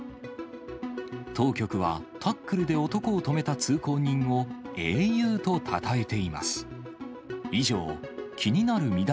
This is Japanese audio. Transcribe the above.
当局は、タックルで男を止めた通行人を英雄とたたえています。